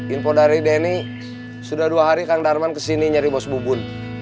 info dari denny sudah dua hari kang darman kesini nyari bos bubun